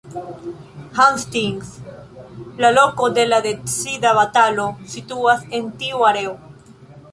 Hastings, la loko de la decida batalo situas en tiu areo.